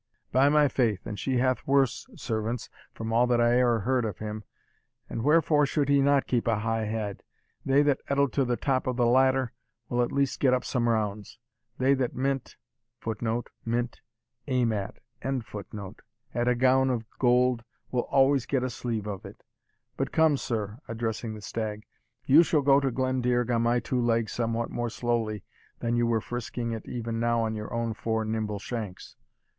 By my faith, and she hath worse servants, from all that I e'er heard of him. And wherefore should he not keep a high head? They that ettle to the top of the ladder will at least get up some rounds. They that mint [Footnote: Mint aim at.] at a gown of gold, will always get a sleeve of it. But come, sir, (addressing the stag,) you shall go to Glendearg on my two legs somewhat more slowly than you were frisking it even now on your own four nimble shanks.